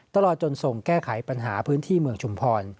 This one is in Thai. ตลอดจนส่งแก้ไขปัญหาพื้นที่เมืองชุมพร